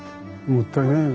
もったいない。